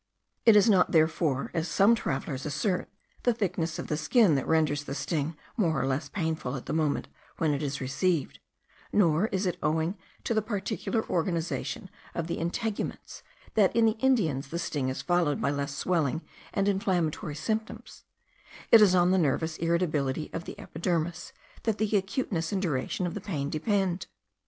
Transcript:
It is not, therefore, as some travellers assert, the thickness of the skin that renders the sting more or less painful at the moment when it is received; nor is it owing to the particular organization of the integuments, that in the Indians the sting is followed by less of swelling and inflammatory symptoms; it is on the nervous irritability of the epidermis that the acuteness and duration of the pain depend.